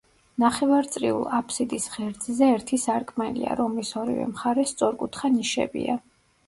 ნახევარწრიულ აფსიდის ღერძზე ერთი სარკმელია, რომლის ორივე მხარეს სწორკუთხა ნიშებია.